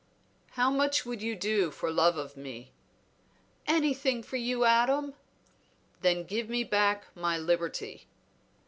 "How much would you do for love of me?" "Anything for you, Adam." "Then give me back my liberty."